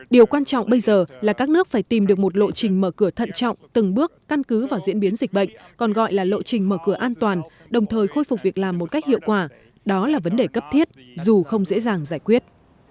điều quan trọng bây giờ là các nước phải tìm được một lộ trình mở cửa thận trọng từng bước căn cứ vào diễn biến dịch bệnh còn gọi là lộ trình mở cửa an toàn đồng thời khôi phục việc làm một cách hiệu quả đó là vấn đề cấp thiết dù không dễ dàng giải quyết